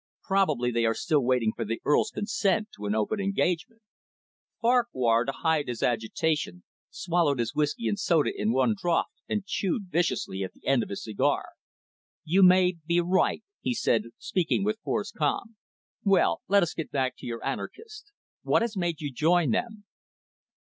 Probably they are still waiting for the Earl's consent to an open engagement." Farquhar, to hide his agitation, swallowed his whiskey and soda in one draught, and chewed viciously at the end of his cigar. "You may be right," he said, speaking with forced calm. "Well, let us get back to your anarchists. What has made you join them?"